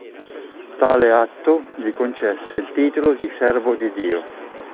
Tale atto gli concesse il titolo di Servo di Dio.